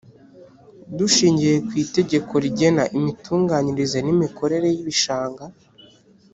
dushingiye ku itegeko rigena imitunganyirize n imikorere y ibishanga.